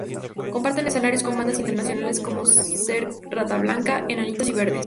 Comparten escenarios con bandas internacionales como ser Rata Blanca, Enanitos Verdes.